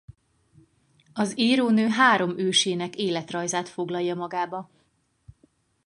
Az írónő három ősének életrajzát foglalja magába.